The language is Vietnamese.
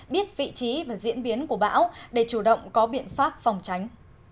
biết vị trí và diễn biến của bão để chủ động có biện pháp phòng tránh